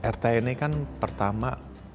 rth ini kan pertama